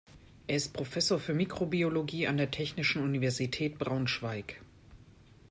Er ist Professor für Mikrobiologie an der Technischen Universität Braunschweig.